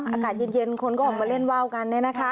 อากาศเย็นคนก็ออกมาเล่นว่าวกัน